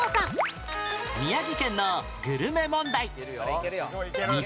宮城県のグルメ問題